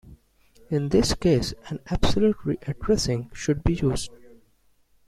In this case an absolute readdressing should be used.